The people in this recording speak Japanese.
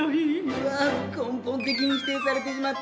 うわっ根本的に否定されてしまった。